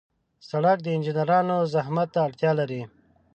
سړک د انجنیرانو زحمت ته اړتیا لري.